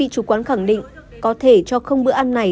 chủ quán khẳng định có thể cho không bữa ăn này